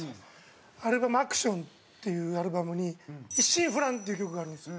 アルバム『ＡＣＴＩＯＮ』っていうアルバムに『一心不乱』っていう曲があるんですよ。